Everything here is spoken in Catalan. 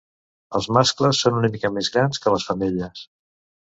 Els mascles són una mica més grans que les femelles.